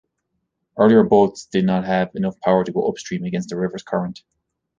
Earlier boats did not have enough power to go upstream against the river's current.